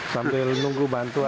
sampai nunggu bantuan